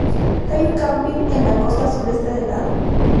Hay un camping en la costa sureste del lago.